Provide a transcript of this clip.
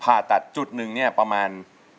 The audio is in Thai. ผ่าตัดจุดหนึ่งเนี่ยประมาณ